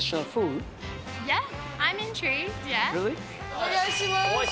お願いします。